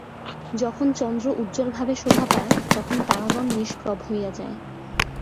যখন চন্দ্র উজ্জ্বলভাবে শোভা পায়, তখন তারাগণ নিষ্প্রভ হইয়া যায়।